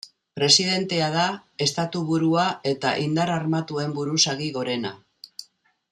Presidentea da estatuburua eta indar armatuen buruzagi gorena.